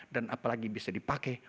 dan apalagi bisa dipakai